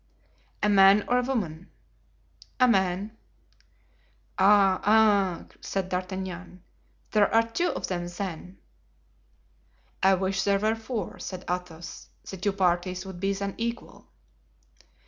"A man or a woman?" "A man." "Ah! ah!" said D'Artagnan, "there are two of them, then!" "I wish there were four," said Athos; "the two parties would then be equal."